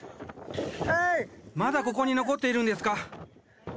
まだここに残っているんですか？